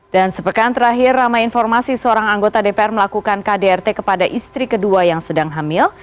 dan sepekan terakhir ramai informasi seorang anggota dpr melakukan kdrt kepada istri kedua yang sedang hamil